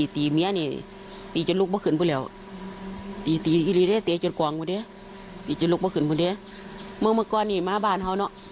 อ๋อตลอดมักกินเหล้า